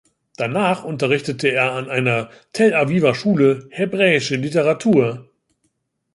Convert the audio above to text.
Danach unterrichtete er an einer Tel Aviver Schule hebräische Literatur.